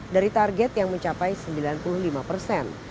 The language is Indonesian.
dari target yang mencapai sembilan puluh lima persen